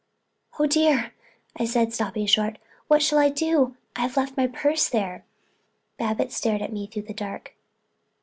"Oh dear!" I said, stopping short. "What shall I do—I've left my purse there." Babbitts stared at me through the dark.